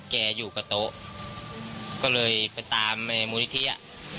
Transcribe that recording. แกอยู่กับโต๊ะก็เลยไปตามมูลนิธิอ่ะ